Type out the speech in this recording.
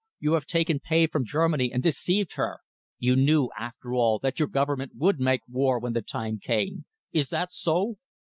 You have taken pay from Germany and deceived her! You knew, after all, that your Government would make war when the time came. Is that so?"